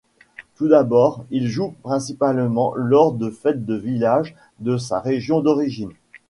Tout d’abord, ils jouent principalement lors de fêtes de village de sa région d'origine.